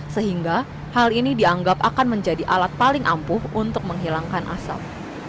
sehingga hal ini dianggap akan menjadi alat paling ampuh untuk menghilangkan asap